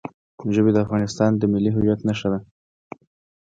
ژبې د افغانستان د ملي هویت نښه ده.